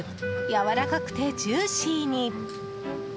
やわらかくてジューシーに！